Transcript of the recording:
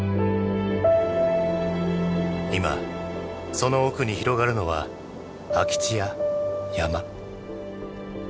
今その奥に広がるのは空き地や山。